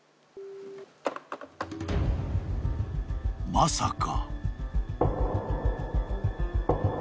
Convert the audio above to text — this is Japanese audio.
☎☎［まさか］